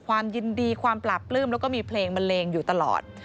ความยินดีความปราบปลื้มแล้วก็มีเพลงบันเลงอยู่ตลอด